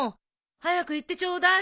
早く行ってちょうだい。